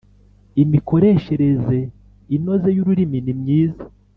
imikoreshereze inoze y ururimi nimyiza